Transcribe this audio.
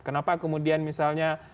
kenapa kemudian misalnya